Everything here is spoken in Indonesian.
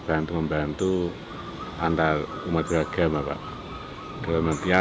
pertama hal yang pertama